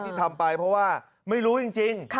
ที่ทำไปเพราะว่าไม่รู้จริง